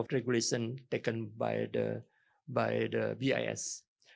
dari peraturan yang diambil oleh bis